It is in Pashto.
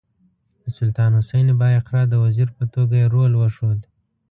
د سلطان حسین بایقرا د وزیر په توګه یې رول وښود.